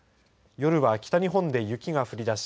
夜は北日本で雪が降りだし